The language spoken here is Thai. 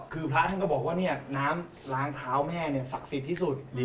คือพระอาทิตย์ก็บอกว่าน้ำล้างเท้าแม่สักสิทธิสุด